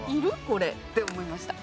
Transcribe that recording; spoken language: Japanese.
これって思いました。